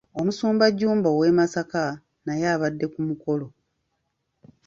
Omusumba Jjumba ow'e Masaka naye abaddeko ku mukolo.